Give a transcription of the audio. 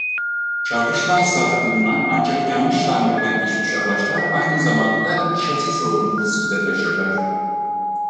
Çarpışma hasarı bulunan ancak yanlış tamirden geçmiş araçlar aynı zamanda şasi sorunu riski de taşırlar.